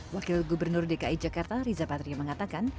wakil gubernur dki jakarta riza patria mengatakan